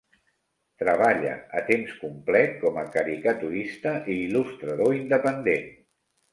Treballa a temps complet com a caricaturista i il·lustrador independent.